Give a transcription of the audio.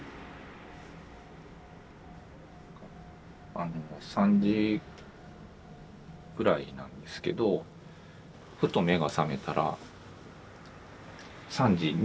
あの３時ぐらいなんですけどふと目が覚めたら３時２分だったんですけど。